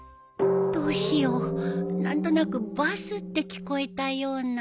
どうしよう何となくバスって聞こえたような